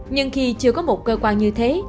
nhưng khi chưa có một cơ quan như thế